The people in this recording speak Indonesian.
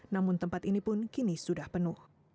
namun tempat ini pun kini sudah penuh